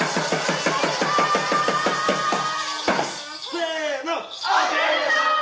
せの。